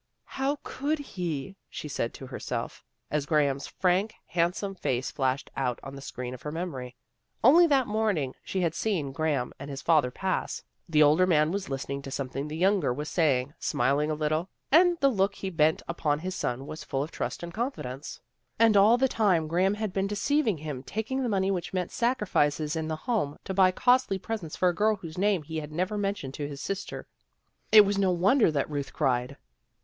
" How could he? " she said to herself, as Graham's frank, handsome face flashed out on the screen of her memory. Only that morning she had seen Graham and his father pass. The older man was listening to something the younger was saying, smiling a little, and the look he bent upon his son was full of trust and confidence. And all the time Graham had been deceiving him, taking the money which meant sacrifices in the home, to buy costly presents for a girl whose name he had never mentioned to his sister. It was no wonder that Ruth cried.